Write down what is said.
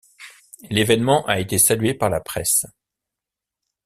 L’événement a été salué par la presse.